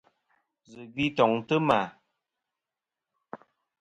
Zɨ gvi toŋtɨ ma.